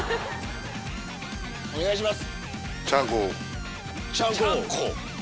お願いします。